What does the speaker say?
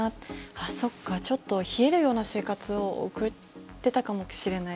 あ、そっかちょっと冷えるような生活を送ってたかもしれない。